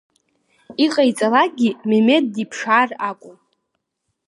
Иҟаиҵалакгьы Мемед диԥшаар акәын.